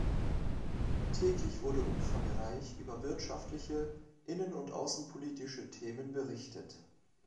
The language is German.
Täglich wurde umfangreich über wirtschaftliche, innen- und außenpolitische Themen berichtet.